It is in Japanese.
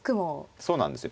そうなんですよ